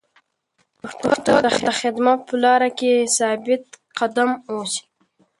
پښتو ته د خدمت په لاره کې ثابت قدم اوسئ.